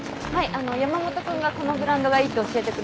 あの山本君がこのブランドがいいって教えてくれて。